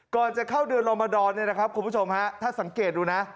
ก่อนจะเข้าเดือนลมดรคุณผู้ชมถ้าสังเกตุดูนะ